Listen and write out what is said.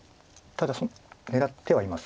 ただ狙ってはいます。